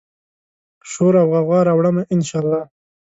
شوراوغوغا راوړمه، ان شا الله